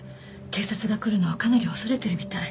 警察が来るのをかなり恐れてるみたい。